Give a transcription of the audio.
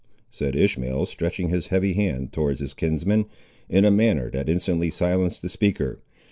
said Ishmael, stretching his heavy hand towards his kinsman, in a manner that instantly silenced the speaker.